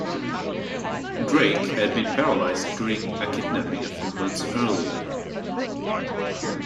Drake had been paralyzed during a kidnapping a few months earlier.